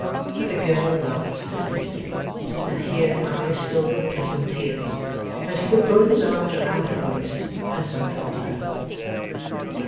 The girl laughed delightedly, and her eyes filled with pleasant tears, as he put both his arms round her waist and so held her.